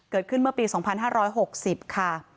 เกิดขึ้นเมื่อปี๒๕๖๐ค่ะ